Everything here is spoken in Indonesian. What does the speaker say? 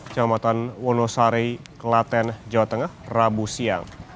jematan wonosare kelaten jawa tengah rabu siang